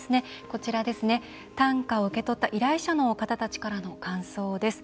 こちら、短歌を受け取った依頼者の方たちからの感想です。